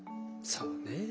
そうね。